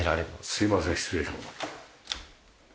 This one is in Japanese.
すいません失礼します。